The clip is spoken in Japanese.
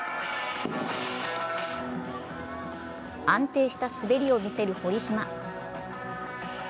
安定した滑りを見せる堀島。